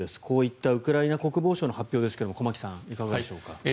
こういったウクライナ国防省の発表ですが駒木さん、いかがでしょうか。